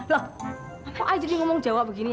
lha apa i jadi ngomong jawa begini i